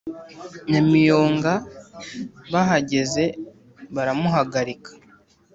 Nyamiyonga bahageze baramuhagarika